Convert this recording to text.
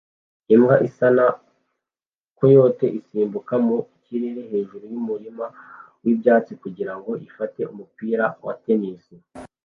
Imbwa isa na coyote isimbukira mu kirere hejuru yumurima wibyatsi kugirango ifate umupira wa tennis